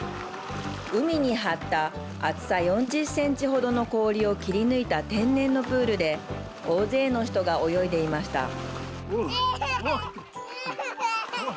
海に張った厚さ４０ｃｍ程の氷を切り抜いた天然のプールで大勢の人が泳いでいました。